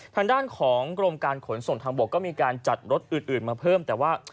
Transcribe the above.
ทางด้านของกรมการขนส่งทางบกก็มีการจัดรถอื่นมาเพิ่มแต่ว่า